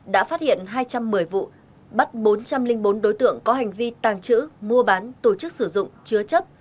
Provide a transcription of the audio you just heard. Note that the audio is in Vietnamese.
đã phát hiện hai trăm một mươi vụ bắt bốn trăm linh bốn đối tượng có hành vi tàng trữ mua bán tổ chức sử dụng chứa chấp